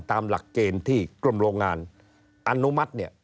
ตามหลักเกณฑ์ที่กรมโรงงานอนุมัติเนี่ย